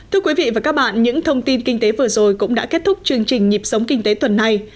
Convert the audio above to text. thưa quý vị và các bạn những thông tin kinh tế vừa rồi cũng đã kết thúc chương trình nhịp sống kinh tế tuần này